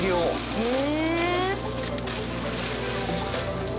へえ！